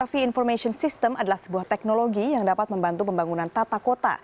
iv information system adalah sebuah teknologi yang dapat membantu pembangunan tata kota